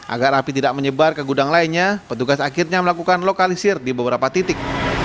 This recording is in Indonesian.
agar api tidak menyebar ke gudang lainnya petugas akhirnya melakukan lokalisir di beberapa titik